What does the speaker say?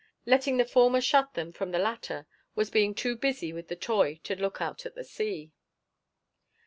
Letting the former shut them from the latter was being too busy with the toy lake to look out at the sea.